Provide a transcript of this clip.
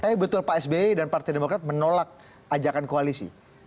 tapi betul pak sby dan partai demokrat menolak ajakan koalisi